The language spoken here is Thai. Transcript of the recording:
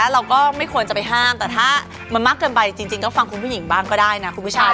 เราก็ไม่ควรจะไปห้ามแต่ถ้ามันมากเกินไปจริงก็ฟังคุณผู้หญิงบ้างก็ได้นะคุณผู้ชาย